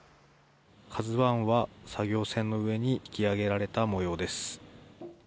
ＫＡＺＵＩは作業船の上に引き揚げられたもようです。